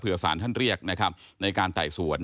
เพื่อสารท่านเรียกนะครับในการไต่สวน